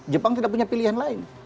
jepang tidak punya pilihan lain